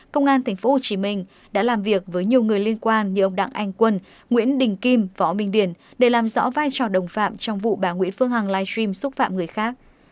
công an tp hcm đã làm việc với nhiều người liên quan như ông đặng anh quân nguyễn đình kim võ minh điển để làm rõ vai trò đồng phạm trong vụ bà nguyễn phương hằng live stream xúc phạm người khác